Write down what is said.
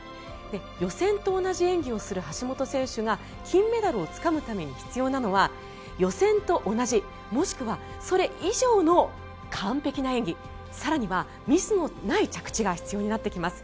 予選と同じ演技をする橋本選手が金メダルをつかむために必要なのは予選と同じもしくはそれ以上の完璧な演技更にはミスのない着地が必要になってきます。